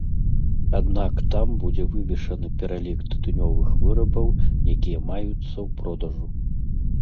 Аднак там будзе вывешаны пералік тытунёвых вырабаў, якія маюцца ў продажу.